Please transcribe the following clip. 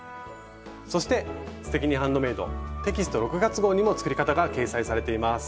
そして「すてきにハンドメイド」テキスト６月号にも作り方が掲載されています。